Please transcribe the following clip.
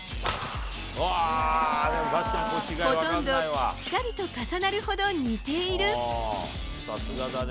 ほとんどぴったりと重なるほど似ている。